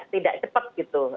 tidak cepat gitu